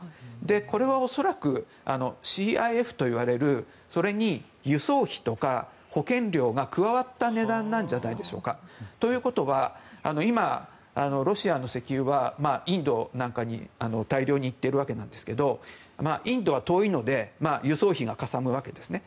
これは恐らくＣＩＦといわれるそれに輸送費とか保険料が加わった値段なんじゃないでしょうか。ということは今ロシアの石油はインドなんかに大量に行っているわけなんですがインドは遠いので輸送費がかさむわけですね。